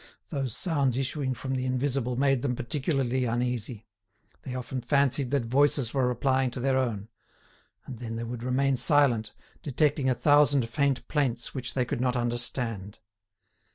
Those sounds issuing from the invisible made them particularly uneasy; they often fancied that voices were replying to their own; and then they would remain silent, detecting a thousand faint plaints which they could not understand.